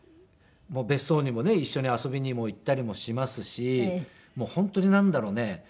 別荘にもね一緒に遊びにも行ったりもしますし本当になんだろうね。